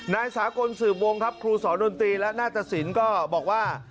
นายสาคนสื่อวงครับครูสอนดนตรีและน่าจะศิลป์ก็บอกว่า